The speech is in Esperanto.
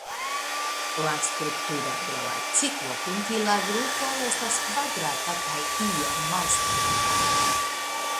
La strukturo de la ciklopentila grupo estas kvadrata kaj iom malstabila.